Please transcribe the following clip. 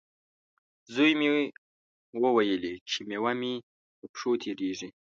زوی مې وویلې، چې میوه مې په پښو تېرېږي.